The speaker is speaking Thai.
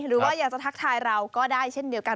หรือว่าอยากจะทักทายเราก็ได้เช่นเดียวกัน